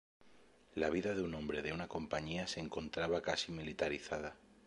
La vida de un hombre de una compañía se encontraba casi militarizada.